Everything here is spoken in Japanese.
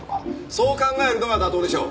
そう考えるのが妥当でしょう。